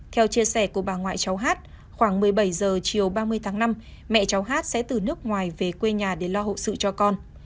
theo chia sẻ của bà ngoại cháu hát khoảng một mươi bảy h chiều ba mươi tháng năm mẹ cháu hát sẽ từ nước ngoài về quê nhà để lo hậu sự cho con